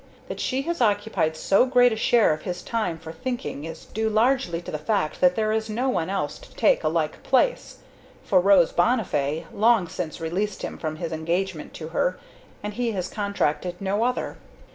That she has occupied so great a share of his time for thinking is due largely to the fact that there is no one else to take a like place, for Rose Bonnifay long since released him from his engagement to her, and he has contracted no other.